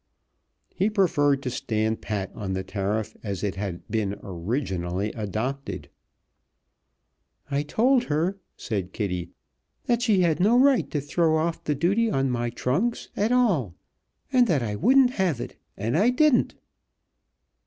He preferred to stand pat on the tariff as it had been originally adopted. "I told her," said Kitty, "that she had no right to throw off the duty on my trunks, at all, and that I wouldn't have it, and I didn't."